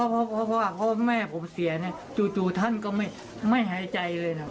เพราะว่าแม่ผมเสียจู่ท่านก็ไม่หายใจเลยนะ